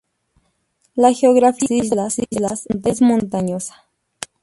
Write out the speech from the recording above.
La geografía de las islas es montañosa.